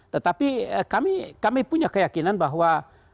tetapi kami punya keyakinan bahwa